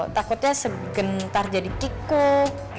takutnya segentar jadi kikuk